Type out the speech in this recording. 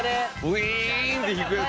ウィーンって引くやつ。